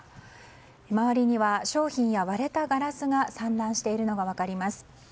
周りには商品や割れたガラスが散乱しているのが分かります。